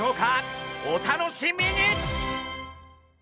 お楽しみに！